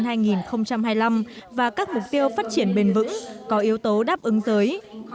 các nhà lãnh đạo asean hai nghìn hai mươi và các mục tiêu phát triển bền vững có yếu tố đáp ứng giới